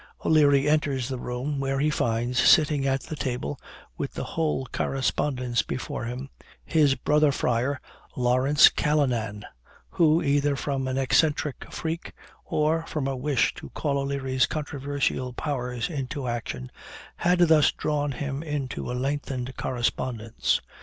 O'Leary enters the room, where he finds, sitting at the table, with the whole correspondence before him, his brother friar, Lawrence Callanan, who, either from an eccentric freak, or from a wish to call O'Leary's controversial powers into action, had thus drawn him into a lengthened correspondence.